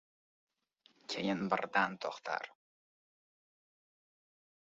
Keyin birdan to’xtar…